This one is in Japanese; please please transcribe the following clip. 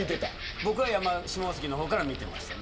僕は下関から見ていました。